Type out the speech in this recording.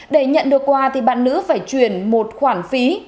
để nhận được quà thì bạn nữ phải chuyển một khoản phí